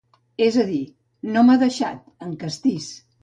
És a dir, “no m'ha deixat” en castís.